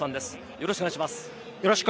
よろしくお願いします。